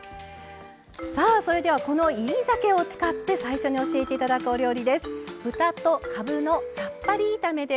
さあそれではこの煎り酒を使って最初に教えて頂くお料理です。